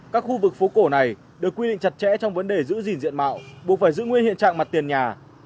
các khu vực phố cổ này được quy định chặt chẽ trong vấn đề giữ gìn diện mạo buộc phải giữ nguyên hiện trạng mặt tiền nhà